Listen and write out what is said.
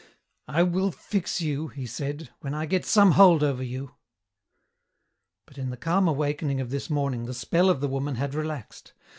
"I will fix you," he said, "when I get some hold over you." But in the calm awakening of this morning the spell of the woman had relaxed.